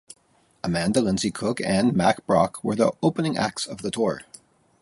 Amanda Lindsey Cook and Mack Brock were the opening acts of the tour.